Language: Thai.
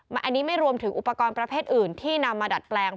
อันนี้ไม่รวมถึงอุปกรณ์ประเภทอื่นที่นำมาดัดแปลง